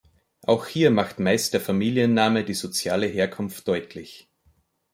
Auch hier macht meist der Familienname die soziale Herkunft deutlich.